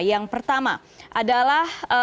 yang pertama adalah